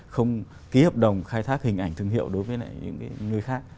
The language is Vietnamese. không ký hợp đồng khai thác hình ảnh thương hiệu đối với những nơi khác